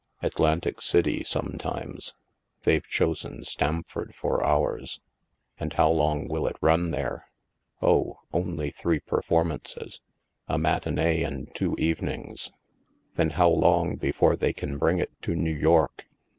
Atlantic City, some times. They've chosen Stamford for ours." "And how long will it run there?" " Oh, only three performances — a matinee and two evenings." " Then how long before they can bring it to New York?"